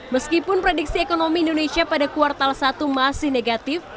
meskipun prediksi ekonomi indonesia pada kuartal satu masih negatif